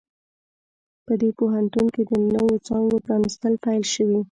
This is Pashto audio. په دې پوهنتون کې د نوو څانګو پرانیستل پیل شوي